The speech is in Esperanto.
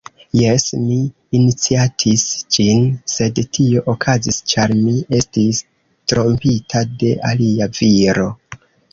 Jes, mi iniciatis ĝin, sed tio okazis ĉar mi estis trompita de alia viro.